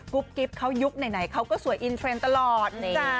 กุ๊บกิ๊บเขายุกไหนเขาก็สวยอินเทรนด์ตลอด